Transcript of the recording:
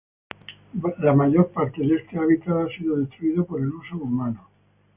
La mayor parte de este hábitat ha sido destruido por el uso humano.